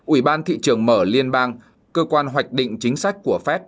ủy ban thị trường mở liên bang cơ quan hoạch định chính sách của fed